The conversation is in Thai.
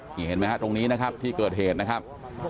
นี่เห็นไหมฮะตรงนี้นะครับที่เกิดเหตุนะครับ